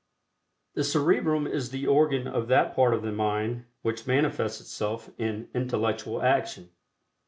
The Cerebrum is the organ of that part of the mind which manifests itself in intellectual action.